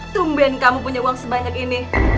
tumben kamu punya uang sebanyak ini